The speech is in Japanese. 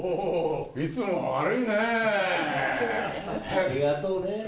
ありがとうね。